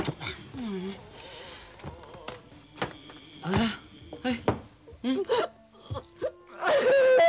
ああはい。